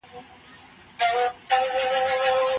د بهرنیو لاسوهنو دروازې د ورور وژنې له امله پرانیستل کېږي.